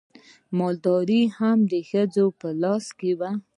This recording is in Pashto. مالداري هم د ښځو په لاس کې وه.